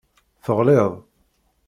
Teɣliḍ.